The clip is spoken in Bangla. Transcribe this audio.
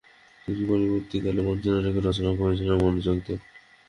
তিনি পরবর্তীকালে মঞ্চনাটক রচনা ও পরিচালনায় মনোযোগ দেন।